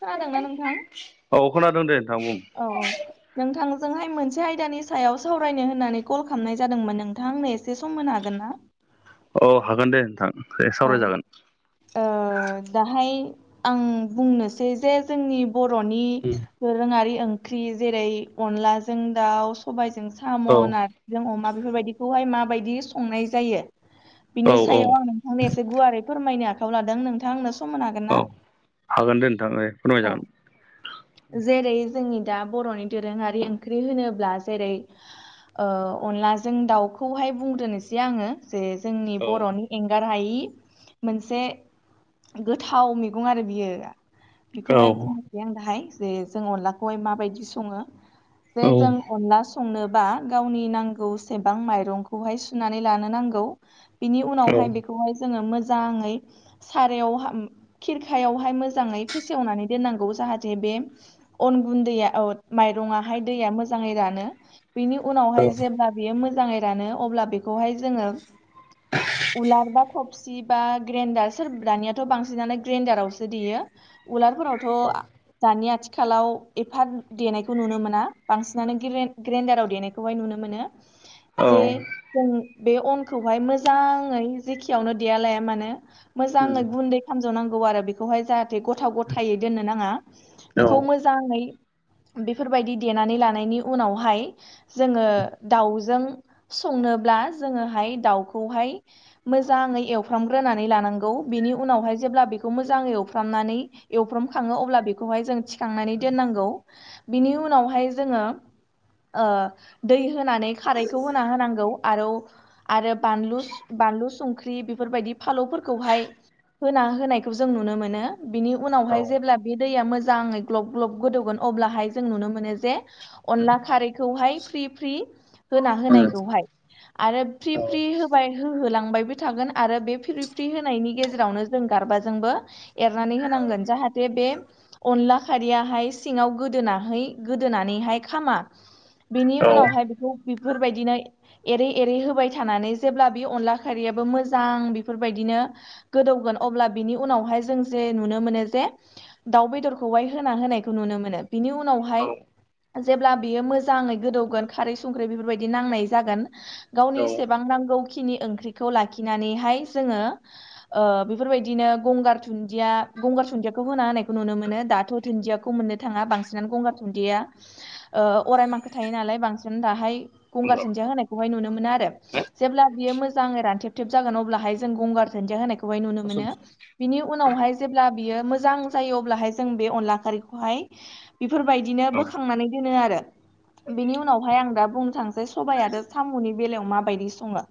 खोनादोंना नोंथां? औ खोनादों दे नोंथां बुं। औ नोंथांजोंहाय मोनसे आयदानि सायाव सावरायनो होननानै कल खालामनाय जादोंमोन नोंथां आंनो एसे सम होनो हागोन ना औ हागोन दे नोंथां ए सावरायजागोन औ दाहाय आं बुंनोसै जे जोंनि बर'नि दोरोङारि ओंख्रि जेरै अनलाजों दाउ सबायाइजों साम' औ आरो। जों अमा बेफोरबायदिखौहाय माबायदि संनाय जायो औ बिनि औ सायाव आं आंनो एसे गुवारै फोरमायनो आखायाव लादों नोंथांआ आंनो समनो हागोन औ ना हागोन दे नोंथां दे औ फोरमायजागोन जेरै जोंनि दा बर'नि दोरोङारि ओंख्रि होनोब्ला जेरै औ अनला जों दाउखौहाय बुंद्रोनोसै आङो जे जोंनि औ बर'नि एंगार हायि मोनसे गोथाव मैगं आरो बियो औ बेखौहाय बुंनोसै आं दाहाय जे जों अनलाखौहाय माबायदि सङो जे औ जों अनला संनोबा गावनि नांगौ सेबां माइरंखौहाय सुनानै लानो नांगौ बिनि उनावहाय बेखौहाय जोङो मोजाङै सारायाव खिरखायावहाय मोजाङै फेसेवनानै दोननांगौ जाहाथे बे अन गुन्दैया माइरंआहाय दैया मोजाङै रानो बिनि औ उनावहाय जेब्ला बियो मोजाङै रानो अब्ला बेखौहाय जोङो [unintelligible] [unintelligible] बा ग्रेन्डार सोरब दानियाथ' बांसिनानो ग्रेन्डारावसो देयो उलारफोरावथ' दानि आथिखालाव एफा देनायखौ नुनो मोना बांसिनानो गेरेन ग्रेडाराव देनायखौहाय नुनो मोनो [inaudible] जे जों बे अनखौहाय मोजाङै जेखियावनो देया लाया मानो उम मोजाङै गुन्दै खालामज'नांगौ आरो बेखौहाय जाहाथे गथाव गथायै दोननो नाङा औ बेखौ मोज मोजाङै बेफोरबायदि देनानै लानायनि उनावहाय जोङो दाउजों संनोब्ला जोङोहाय दाउखौहाय मोजाङै एवफ्रामग्रोनानै लानांगौ बिनि उनावहाय जेब्ला बेखौ मोजाङै एवफ्रामनानै एवफ्रम खाङो अब्ला बेखौहाय जों थिखांनानै दोननांगौ बिनि उनावहाय जोङो औ दै होनानै खारैखौ होना होनांगौ आरो आरो बानलु बानलु संख्रि बेफोरबायदि फालौफोरखौहाय होना होनायखौ जों नुनो मोनो बिनि उनावहाय जेब्ला बे दैया मोजाङै ग्लब ग्लब गोदौगोन अब्लाहाय जों नुनो मोनो जे अनला खारैखौहाय फ्रि फ्रि होना औ उम औ होनायखौहाय आरो फ्रि औ फ्रि होबाय होहोलांबाय बि थागोन आरो बे फ होनायनि गेजेरावनो जों गारबाजोंबो एरना नांगोन जाहाथे बे अनला खारियाहाय सिङाव गोदोनाहै गोदोनानैहाय खामा बेनि औ औ हो औ उनावहाय बेखौ बेफोरबायदिनो एरै एरै होबाय थानानै जेब्ला बे अनला खारियाबो मोजां बेफोरबायदिनो गोदौगोन अब्ला बिनि उनावहाय जों जे नुनो मोनो जे दाउ बेदरखौहाय होना होनायखौ नुनो मोनो बिनि उनावहाय जेब्ला बियो मोजाङै गोदौगोन खारै संख्रै बेफोरबायदि नांनाय जागोन औ गावनि उम औ सेसेबां नांगौखिनि ओंख्रिखौ लाखिनानैहाय जोङो ओ बेफोरबायदिनो गंगार थुन्दिया गंगार सुनन्दियाखौ होना होनायखौ नुनो मोनो दाथ' दुन्दियाखौ मोननो थाङा बांसिनानो गंगार थुन्दिया ओ अरायमाखो थायो नालाय बांसिन दाहाय औ गंगारसुनजिया होनाय खौहाय नुनो मोनो आरो जेब्ला बियो मोजा रानथेब थेब जागोन गंगारदुन्दिया होनायखौ खोहाय नुनो औ मोन बिनि उनावहाय जेब्ला बियो मोजां जायो अब्लाहाय जों बे अनला खारैखौहाय बेफोरबायदिनो बोखांनानै दोनो आरो बिनि उनावहाय आं दा बुंनो थांसै सबाय आरो साम'नि बेलायाव माबायदि सङो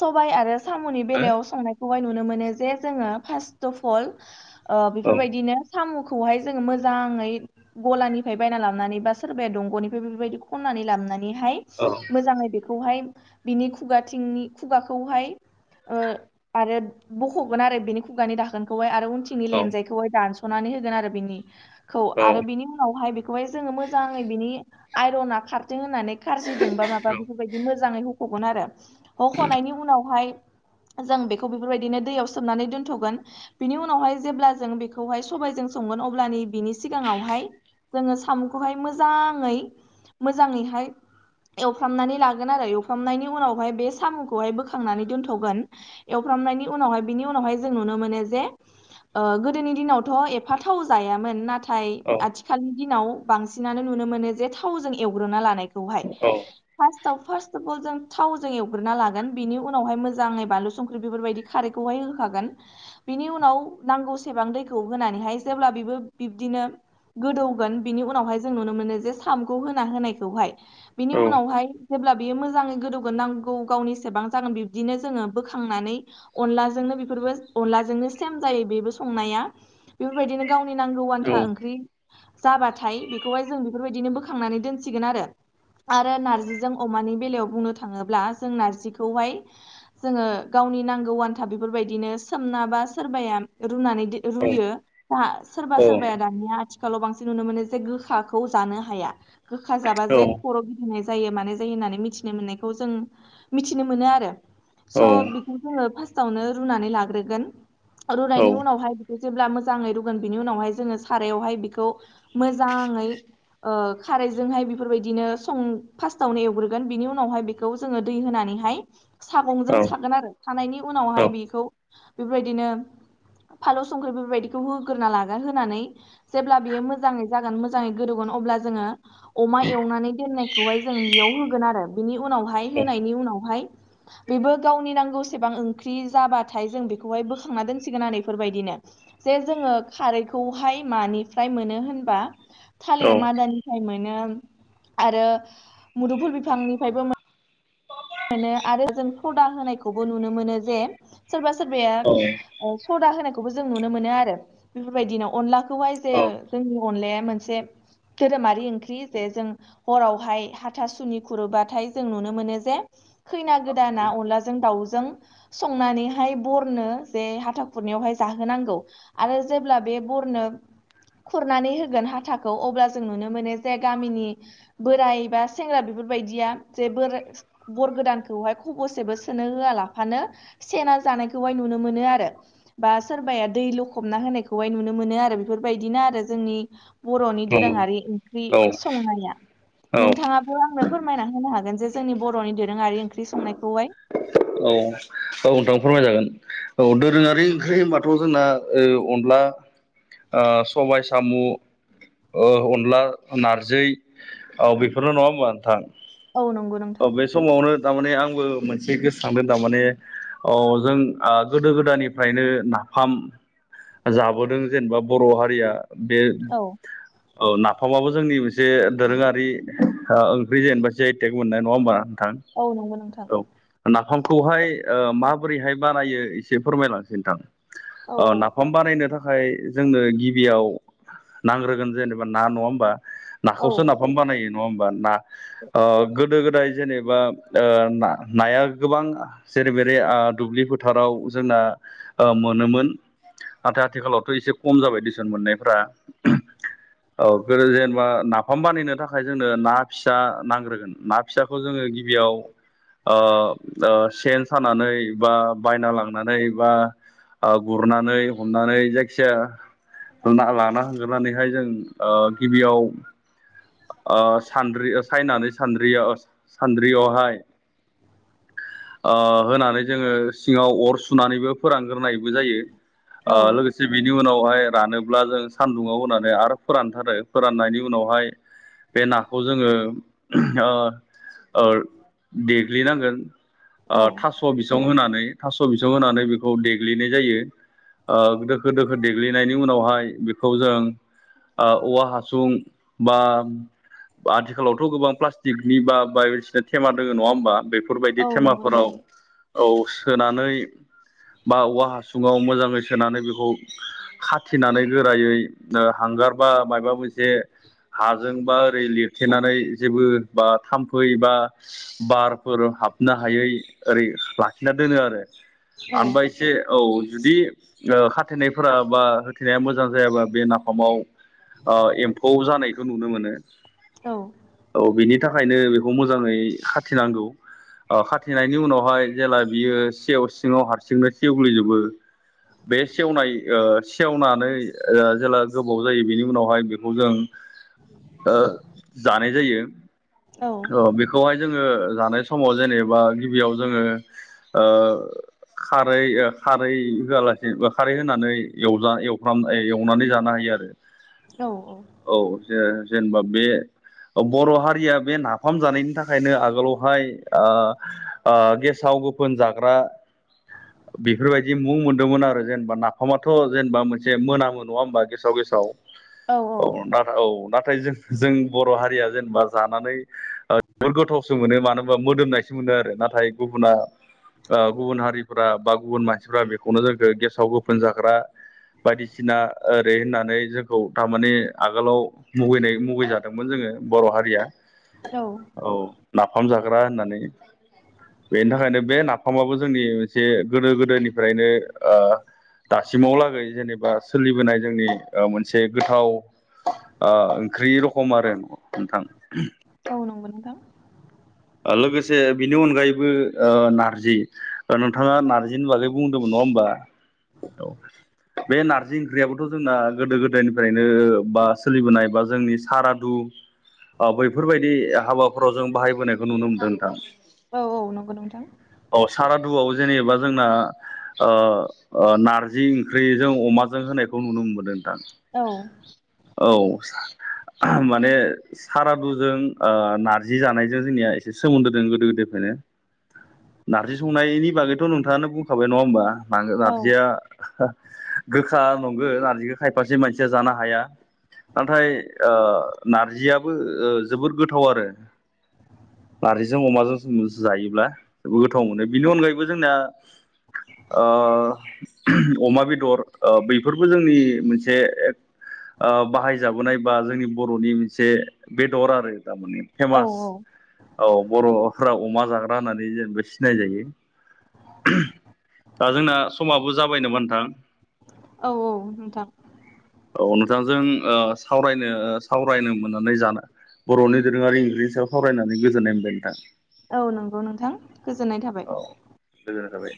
सबाय आरो साम'नि बेलायाव संनायखौहाय नुनो मोनो जे जोङो फार्स्ट अफ अल ओ बेफोरबायदिनो साम'खौहाय जोङो मोजाङै गलानिफ्राय बायना लाबनानै बा सोरबाया दंग'निफ्राय बेफोरबायदि खननानै लाबोनानैहाय औ मोजाङै बेखौहाय बिनि खुगाथिंनि खुगाखौहाय ओ आरो बख'गोन आरो बेनि खुगानि दाखोनखौहाय उनथिंनि लेनजायखौहाइ दानसनानै होगोन आरो बिनि खौ आरो बिनि उनावहाय खौहाय जोङो मोजाङै बिनि आइरना खारथों होननानै खारजिदों बा माबा बेफोरबायदि मोजाङै हगोन आरो हखनायनि उनावहाय जों बेखौ बेफोरबायदिनो दैयाव सोमनानै दोन्थ'गोन बिनि उनावहाय जेब्ला जों बेखौहाय सबायजों संगोन अब्लानि बिनि सिगाङावहाय जोङो साम'खौहाय मोजाङै मोजाङैहाय एवफ्रामनानै लागोन आरो एवफ्रामनायनि उनावहाय बे साम'खौहाय बोखांनानै दोनथ'गोन एवफ्रामनायनि उनावहाय बिनि उनावहाय जों नुनो मोनो जे ओ गोदोनि दिनावथ' एफ थाव जायामोन नाथाय आथि खालनि दिनाव बांसिनानो नुनो मोनो जे थावजों एवग्रोना लानायखौहाय फार्स्टआव फार्स्ट अफ अल जों थावजों एवग्रोना लागोन बिनि उनावहाय मोजाङै बानलु संख्रि बेफोरबायदि खारैखौहाय होखागोन बिनि उन नाव नांगौसेबां दैखौ होनानैहाय जेब्ला बेबो बिब्दिनो गोदौगोन बिनि उनावहाय जों नुनो मोनो जे सामखौ होना होनायखौहाय बिनि उनावहाय जेब्ला बियो मोजाङै गोदौगोरोनांगौ गावनिसेबां जागोन बिब्दिनो जोङो बोखांनानै अनलाजोंनो बेफोरबो अनलाजोंनो सेम जायो बेबो संनाया बेफोरबायदिनो गावनि नांगौ आन्था ओंख्रि जाबाथाय बेखौहाय जों बेफोरबायदिनो बोखांनानै दोनसिगोन आरो आरो नार्जिजों अमानि बेलायाव बुंनो थाङोब्ला जों नारजिखौहाय जोङो गावनि नांगौ आन्था बेफोरबायदिनो सोमना बा सोरबाया रुनानै रुयो सोरबा सोरबाया दानिया आथि खालाव बांसिन नुनो मोनो जे गोखाखौ जानो हाया गोखा जाबा जे खर' नाय जायो मानाय जायो होननानै मिथिनो मोननायखौ जों मिथिनो मोनो आरो स खौ जोङो फार्स्टावनो रुनानै लाग्रोगोन रुनायनि उनावहाय जेब्ला मोजाङै रुगोन बिनि उनावहाय जोङो सारायावहाय बेखौ मोजाङै खारैजोंहाय बेफोरबायदिनो सं फास्स्टावनो एवग्रोगोन बिनि उनावहाय जनि उनावह बिदिनो फालौ संख्रि बेबायदिखौ होग्रोना लागोन होनानै जेब्ला बियो मोजाङै जागोन मोजाङै गोदौगोन अब्ला जोङो अमा एवनानै दोननायखौहाय जों बेयाव होगोन आरो बिनि उनावहाय औ होनायनि उनावहाय बेबो गावनि नांगौसेबां ओंख्रि जाबाथाय जों बे बेखौहाय बोखांना दोनसिगोन आ न बेफोरबायदिनो जे जोङो खारैखौहाय मानिफ्राय मोनो होनबा औ थालिर मादानिफ्राय मोनो आरो मुदुफुर बिफांनिफ्रायबो मोनो मोनो आरो जों सदा होनायखौबो नुनो मोनो जे सोरबा सोरबाया औ सदा होनायखौबो जों नुनो मोनो आरो बेफोरबायदिनो अनलाखौहाय जे जोंनि अनलाया मोनसे दोरोमारि ओंख्रि जे जों हरावहाय हाथासुनि खुरोबाथाय जों नुनो मोनो जे खैना गोदाना अनलाजों दाउजों संनानैहाय बरनो जे हाथा खुरनायावहाय जाहोनांगौ। आरो जेब्ला बे बरनो खुरनानै होगोन हाथाखौ अब्ला जों नुनो मोनो जे गामिनि बोराइ बा सेंग्रा बेफोरबायदिया जे बोर बर गोदानखौहाय खबरसेबो सोनो होआलाफानो सेना जानायखौहाय नुनो मोनो आरो। बा सोरबाया दै लखबना होनायखौहाय नुनो मोनो आरो बेफोरबायदिनो आरो जोंनि बर'नि दोरोङारि ओंख्रि औ संनाया औ नोंथाङा बेखौ आंनो फोरमायना होनो हागोन जे जोंनि बर'नि दोरोङारि ओंख्रि संनायखौहाय। औ। औ नोंथां फोरमायजागोन औ दोरोङारि ओंख्रि होनबाथ' जोंना ओ अनला सबाय सामु अनला नारजि औ बेफोरल' नङा होमबा नोंथां? औ नंगौ। अ नोंथां बे समावनो तारमाने आंबो मोनसे गोसोखांदों तारमाने अ जों गोदो गोदायनिफ्रायनो नाफाम जाबोदों जेनेबा बर' हारिया बे औ नाफामाबो जोंनि मोनसे दोरोङारि ओंख्रि जेनेबा जि आइ तेग। मोननाय नङा होमबा नोंथां? औ नंगौ नोंथां। औ नाफामखौहाय ओ माबोरैहाय बानायो एसे फोरमायलांसै नोंथां। औ अ नाफाम बानायनो थाखाय जोंनो गिबियाव नांग्रोगोन जेनेबा ना नङा होमबा? औ नाखौसो नाफाम बानायो नङा होमबा ना ओ गो गोदो गोदाय जेनेबा ओ ना-नाया गोबां जेरै मेरे दुब्लि फोथाराव जोंना ओ मोनोमोन। नाथाय आथिखालावथ' एसे खम जाबाय देसन मोननायफ्रा। औ गोदो जेनेबा नाफाम बानायनो थाखाय जोंनो ना फिसा नांग्रोगोन ना फिसाखौ जोङो गिबियाव ओ ओ सेन सानानै बा बायना लांनानै बा ओ गुरनानै हमनानै जायखिजाया ना लाना हांग्रनानैहाय जों ओ गिबियाव ओ सानद्रि सायनानै सानद्रियाव सानद्रियावहाय ओ होनानै जोङो सिङाव अर सुनानैबो फोरानग्रोनायबो जायो। अ औ लोगोसे सि बिनि उनावहाय रानोब्ला जों सान्दुङाव होनानै आरो फोरानथारो फोराननायनि उनावहाय बे नाखौ जोङो ओ ओ देग्लिनांगोन। ओ थास' औ बिसं होनानै थास' बिसं होनानै बेखौ देग्लिनाय जायो। ओ दोखो दोखो देग्लिनायनि उनावहाय बेखौ जों ओ औवा हासुं बा आथिखालावथ' गोबां प्लास्टिकनि बा बायदिसिना थेमा दोङो नङा होमबा बे फोरबायदि औ नंगौ थेमाफोराव नोंथां औ सोनानै बा औवा हासुङाव मोजाङै सोनानै बेखौ खाथेनानै गोरायै हांगार बा मायबा मोनसे हाजों बा ओरै लिरथेनानै जेबो बा थाम्फै बा बारफोर हाबनो हायै ओरै लाखिना दोनो आरो औ ओमफाय एसे औ जुदि ओ खाथेनायफोरा बा होथेनाया मोजां जायाबा बे नाफामाव ओ एम्फौ जानायखौ नुनो मोनो। औ। औ बिनि थाखायनो बेखौ मोजाङै खाथिनांगौ ओ खाथेनायनि उनावहाय जेला बियो सेव सिङाव हारसिंनो सेव्ललिजोबो बे सेवनाय ओ सेवनानै जेला गोबाव जायो बेनि उनावहाय बेखौ जों ओ जानाय जायो। औ बेखौहाय जोङो जानाय समाव जेनेबा गिबियाव जोङो ओ खारै ओ खारै होआलासेनोबा खारै होनानै एवना एवफ्राम एवनानै जानो हायो आरो। [inaudible] औ औ औ जे जेनेबा बे बर' हारिया बे नाफाम जानायनि थाखायनो आगोलावहाय ओ ओ गेसाव गोफोन जाग्रा बेफोरबायदि मुं मोनदोंमोन आरो जेनेबा नाफामाथ' जेनेबा मोनसे मोनामो नङा होमबा गेसाव गेसाव औ नोंथां औ नाथाय जों जों बर' हारिया जेनेबा जानानै ओ जोबोर गोथावसो मोनो मानो होनबा मोदोमनाय थिग मोनो आरो नाथाय गुबुना ओ गुबुन हारिफ्रा बा गुबुन मानसिफ्रा बेखौनो जोंखौ गेसाव गोफोन जाग्रा बायदिसिना ओरै होननानै जोंखौ थारमाने आ गोलाव मुगैनाय मुगैजादोंमोन जोङो बर' हारिया औ औ नाफाम जाग्रा होननानै। बेनि थाखायनो बे नाफामाबो जोंनि मोनसे गोदो गोदोनिफ्रायनो ओ दासिमाव लागै जेनेबा सोलिबोनाय जोंनि ओ मोनसे गोथाव ओ ओंख्रि रखम आरो नोंथां औ नांगै नोंथां लोगोसे बिनि अनगायैबो ओ नारजि नोंथाङा नारजिनि बागै बुंदोंमोन नङा होमबा औ बे नारजि ओंख्रियाबोथ' जोंना गोदो गोदायनिफ्रायनो बा सोलिबोनाय बा जोंनि सारा दु ओ बैफोरबायदि हाबाफोराव जों बाहायबोनायखौ नुनो मोनदों नोंथां। औ औ नंगौ नोंथां औ सारादुआव जेनेबा जोंना ओ ओ नारजि ओंख्रिजों अमाजों होनायखौ नुनो मोनबोदों नोंथां। औ औ माने सारादुजों ओ नारजि जानायजों जोंनिया एसे सोमोन्दो दं गोदो गोदोफ्रायनो। नारजि संनायनि बागैथ' नोंथाङानो बुंखाबाय नङा होमबा औ नार-नारजिया गोखा नंगो नारजिखौ खायफासे मानसिया जानो हाया। नाथाय ओ नारजियाबो ओ जोबोर गोथाव आरो नारजिजों अमाजों जों जायोब्ला जेबो गोथाव मोनो बिनि अनगायैबो जोंनिया ओ अमा बेदर बैफोरबो जोंनि मोनसे ओ बाहायजाबोनाय बा जोंनि बर'नि मोनसे बेदर आरो थारमाने औ फेमास औ औ बर'फोरा अमा जाग्रा होननानै जेनेबा सिनाय जायो। दा जोंना समाबो जाबायनो नामा नोंथां? औ औ नोंथां औ नोंथांजों ओ सावरायनो सावरायनो मोननानै जाना बर'नि दोरोंङारि ओंख्रिनि सायाव सावरायनानै गोजोननाय मोनबाय नोंथां। औ नंगौ नोंथां गोजोननाय थाबाय। गोजोन थाबाय